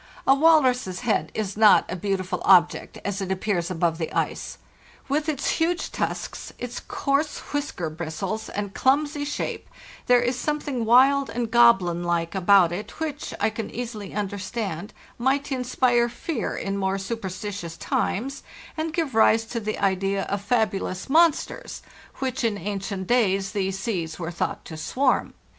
A walrus's head is not a beautiful ob ject as it appears above the ice. With its huge tusks, its coarse whisker bristles, and clumsy shape, there is something wild and goblin like about it which, I can easily understand, might inspire fear in more supersti tious times, and give rise to the idea of fabulous mon LAND AT LAST ios) oe) ent sters, with which in ancient days these seas were thought to swarm.